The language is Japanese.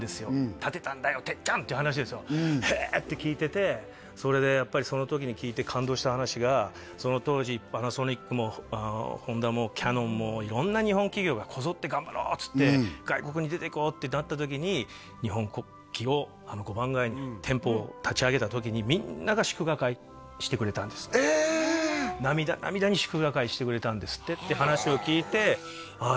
「建てたんだよ哲ちゃん」っていう話ですよへえって聞いててそれでやっぱりその時に聞いて感動した話がその当時パナソニックもホンダもキヤノンも色んな日本企業がこぞって頑張ろうっつって外国に出ていこうってなった時に日本国旗をあの５番街に店舗を立ち上げた時に涙涙に祝賀会してくれたんですっていう話を聞いてああ